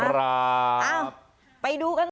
ครับ